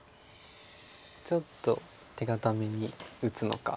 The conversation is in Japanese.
ちょっと手堅めに打つのか。